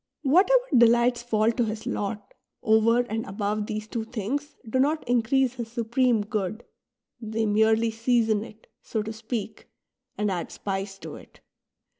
Whatever delights fall to his lot over and above these two things do not increase his Supreme Good ; they merely season it, so to speak, and add spice to it.